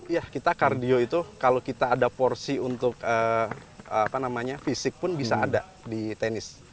ya kita kardio itu kalau kita ada porsi untuk fisik pun bisa ada di tenis